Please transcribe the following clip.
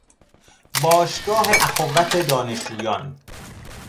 باشگاه اخوت دانشجویان